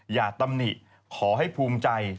อย่าตำหนิขอให้ภูมิใจ